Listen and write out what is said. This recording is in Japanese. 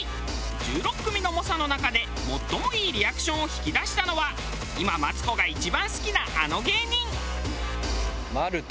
１６組の猛者の中で最もいいリアクションを引き出したのは今マツコが一番好きなあの芸人。